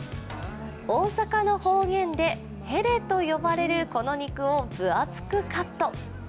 大阪の方言でヘレと呼ばれるこの肉を分厚くカット。